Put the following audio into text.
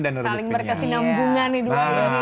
saling berkasih nambungan nih dua